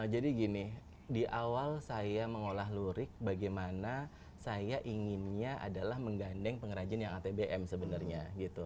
jadi gini di awal saya mengolah lurik bagaimana saya inginnya adalah menggandeng pengrajin yang atbm sebenarnya gitu